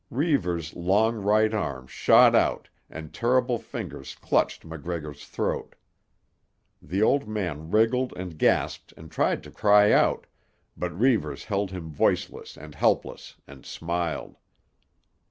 Reivers' long right arm shot out and terrible fingers clutched MacGregor's throat. The old man wriggled and gasped and tried to cry out, but Reivers held him voiceless and helpless and smiled.